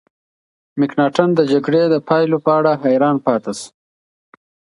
مکناتن د جګړې د پایلو په اړه حیران پاتې شو.